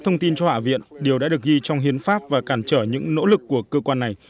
thông tin cho hạ viện đều đã được ghi trong hiến pháp và cản trở những nỗ lực của cơ quan này